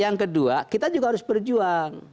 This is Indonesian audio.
yang kedua kita harus memiliki perjuangan pertama